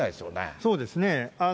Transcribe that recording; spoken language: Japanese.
そうですね。